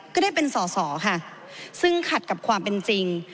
ก็ได้เป็นสอสอค่ะซึ่งขัดกับความเป็นจริง